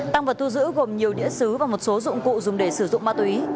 tăng vật thu giữ gồm nhiều đĩa xứ và một số dụng cụ dùng để sử dụng ma túy